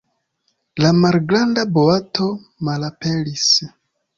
La malgranda boato malaperis!